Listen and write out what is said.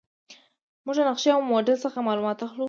موږ له نقشې او موډل څخه معلومات اخلو.